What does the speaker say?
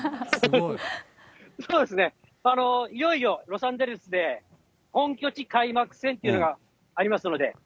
そうですね、いよいよロサンゼルスで、本拠地開幕戦っていうのがありますので。